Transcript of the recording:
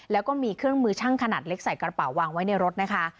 แล้วก็มีเครื่องมือช่างขนาดเล็กใส่กระเป๋าวางไว้ในรถนะคะ